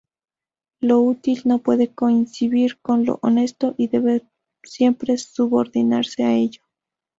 Lo útil no puede coincidir con lo honesto y debe siempre subordinarse a ello.